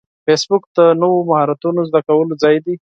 فېسبوک د نوو مهارتونو زده کولو ځای دی